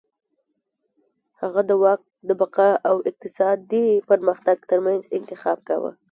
هغه د واک د بقا او اقتصادي پرمختګ ترمنځ انتخاب کاوه.